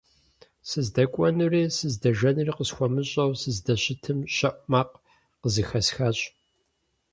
СыздэкӀуэнури сыздэжэнури къысхуэмыщӀэу сыздэщытым, щэӀу макъ къызэхэсхащ.